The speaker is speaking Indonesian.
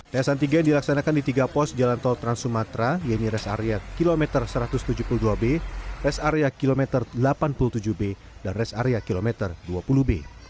tes antigen dilaksanakan di tiga pos jalan tol trans sumatera yaitu res area kilometer satu ratus tujuh puluh dua b res area kilometer delapan puluh tujuh b dan res area kilometer dua puluh b